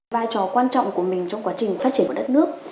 vai trò quan trọng của mình trong quá trình phát triển của đất nước